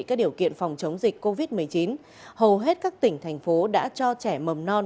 các điều kiện phòng chống dịch covid một mươi chín hầu hết các tỉnh thành phố đã cho trẻ mầm non